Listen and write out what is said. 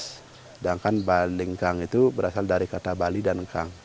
sedangkan balingkang itu berasal dari kata bali dan kang